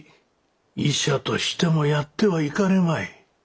医者としてもやってはいかれまい。